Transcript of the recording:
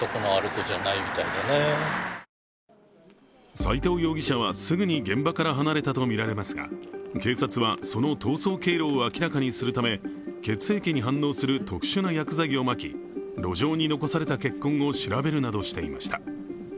斉藤容疑者はすぐに現場から離れたとみられますが、警察はその逃走経路を明らかにするため血液に反応する特殊な薬剤をまき路上に残された血痕を調べるなどしていました。